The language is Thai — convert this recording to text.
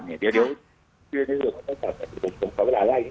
เดี๋ยวเดี๋ยวเจอกันด้วยครับดังนี้